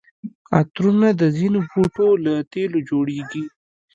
عطرونه د ځینو بوټو له تېلو جوړیږي.